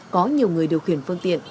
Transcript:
có nhiều người điều khiển phương tiện